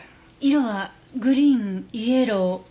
色はグリーンイエローオレンジ。